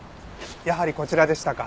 やはりこちらでしたか。